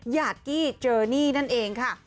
อยากกี้เจอนี่นั่นเองค่ะ